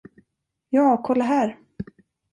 Ja, kolla här.